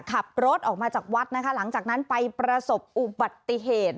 ขับรถออกมาจากวัดนะคะหลังจากนั้นไปประสบอุบัติเหตุ